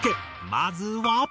まずは。